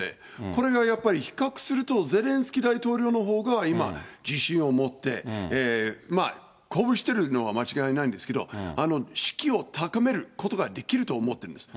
これがやっぱり比較すると、ゼレンスキー大統領のほうが今、自信を持って、鼓舞してるのは間違いないんですけど、士気を高めることができると思ってるんです。